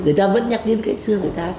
người ta vẫn nhắc đến cái xưa người ta